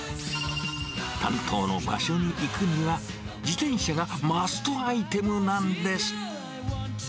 担当の場所に行くには、自転車がマストアイテムなんです。